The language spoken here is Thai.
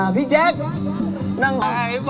พี่แจ๊คนั่งห่อ